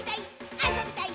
あそびたい！